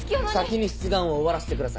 先に出願を終わらせてください。